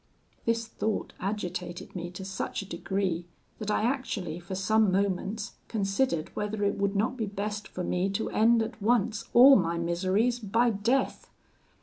This thought agitated me to such a degree that I actually for some moments considered whether it would not be best for me to end at once all my miseries by death.